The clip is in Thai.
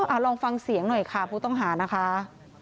เอาลองฟังเสียงหน่อยค่ะผู้ต้องหานะคะ